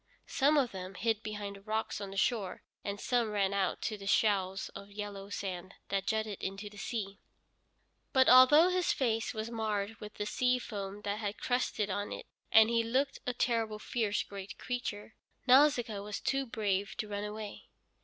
Some of them hid behind the rocks on the shore, and some ran out to the shoals of yellow sand that jutted into the sea. But although his face was marred with the sea foam that had crusted on it, and he looked a terrible, fierce, great creature, Nausicaa was too brave to run away.